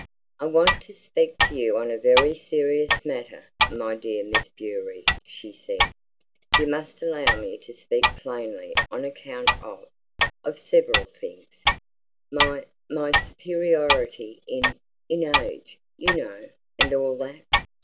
"I want to speak to you on a very serious matter, my dear Miss Bewery," she said. "You must allow me to speak plainly on account of of several things. My my superiority in in age, you know, and all that!"